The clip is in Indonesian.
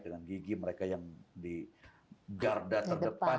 dengan gigi mereka yang di garda terdepan